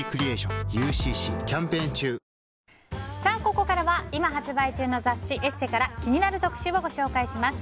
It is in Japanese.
ここからは今発売中の雑誌「ＥＳＳＥ」から気になる特集をご紹介します。